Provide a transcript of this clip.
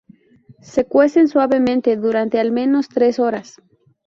Se cuecen suavemente durante al menos tres horas.